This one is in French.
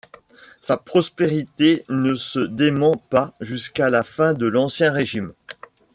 Sa prospérité ne se dément pas jusqu’à la fin de l’Ancien Régime.